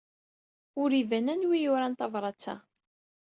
Ur iban anwa ay yuran tabṛat-a.